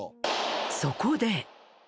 そこで。